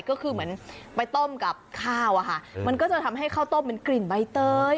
ก็คือเหมือนไปต้มกับข้าวอะค่ะมันก็จะทำให้ข้าวต้มเป็นกลิ่นใบเตย